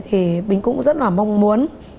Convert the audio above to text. thì bính cũng rất là mong muốn